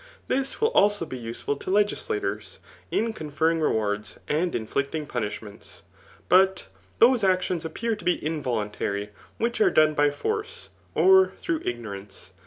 This will also be useful to legislators, in conferring rewards, and inflicting punishments. But those actions appear to be involuntary which are done by force, or through ignorance.